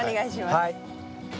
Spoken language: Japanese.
はい。